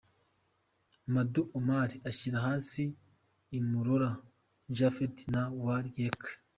Ndandou Omar ashyira hasi Imurora Japhet na Wai Yeka .